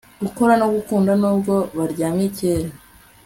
gukora no gukunda nubwo baryamye kera